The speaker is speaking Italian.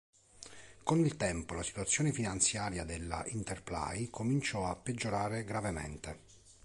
Con il tempo la situazione finanziaria della Interplay cominciò a peggiorare gravemente.